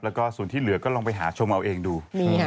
และส่วนที่เหลือกก็ลองไปชมเอาเองดู